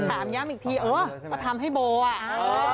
ถามย้ำอีกทีเออก็ทำให้โบอ่ะ